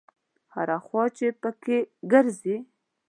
هره خوا چې په کې ګرځې.